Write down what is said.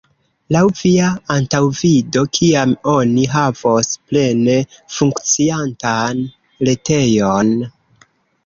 Laŭ via antaŭvido, kiam oni havos plene funkciantan retejon?